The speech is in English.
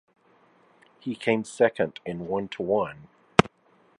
He came second in One to One!